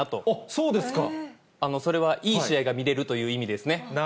それはいい試合が見れるという意味ですね。